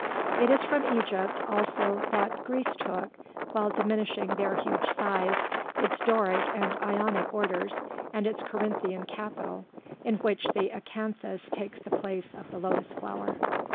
It is from Egypt also that Greece took, while diminishing their huge size, its Doric and Ionic orders and its Corinthian capital, in which the acanthus takes the place of the lotus flower.